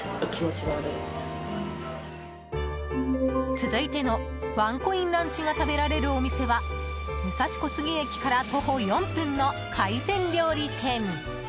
続いてのワンコインランチが食べられるお店は武蔵小杉駅から徒歩４分の海鮮料理店。